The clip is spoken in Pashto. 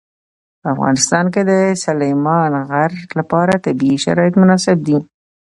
په افغانستان کې د سلیمان غر لپاره طبیعي شرایط مناسب دي.